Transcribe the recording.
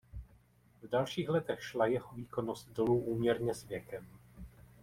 V dalších letech šla jeho výkonnost dolů úměrně s věkem.